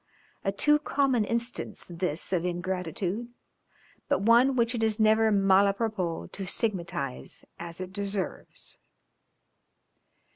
A too common instance this of ingratitude, but one which it is never mal à propos to stigmatize as it deserves.